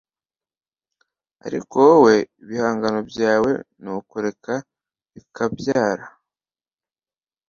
Ariko wowe ibihangano byawe nukureka bikabyara